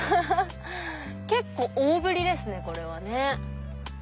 結構大ぶりですねこれは。